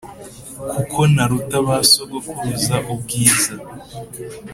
kuko ntaruta ba sogokuruza ubwiza”